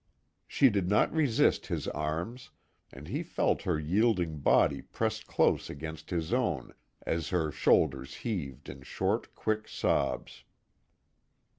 She did not resist his arms, and he felt her yielding body press close against his own, as her shoulders heaved in short, quick sobs.